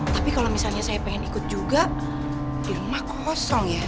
tapi kalau misalnya saya ingin ikut juga di rumah kosong ya